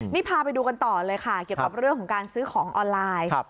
นี่พาไปดูกันต่อเลยค่ะเกี่ยวกับเรื่องของการซื้อของออนไลน์